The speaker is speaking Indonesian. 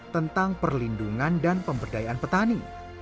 tentang perlindungan dan pemberdayaan petani